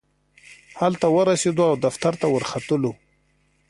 هلته ورسېدو او دفتر ته ورختلو.